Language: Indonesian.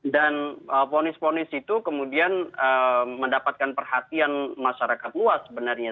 dan ponis ponis itu kemudian mendapatkan perhatian masyarakat luas sebenarnya